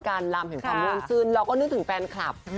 ลำเห็นความมุ่งซื่นเราก็นึกถึงแฟนคลับ